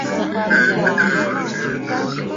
Bo ghɛɛ a mɨtaa.